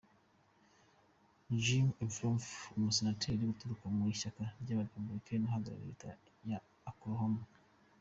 Jim Inhofe ni Umusenateri uturuka mu ishyaka rya ba “Republicans” uhagarariye leta ya Oklahoma.